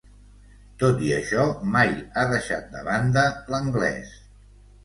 Tot i això mai ha deixat de banda l'anglès.